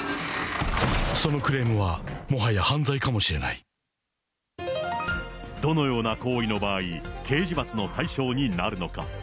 そのクレームは、どのような行為の場合、刑事罰の対象になるのか。